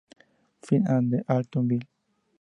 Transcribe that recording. Fight The Alton Bill!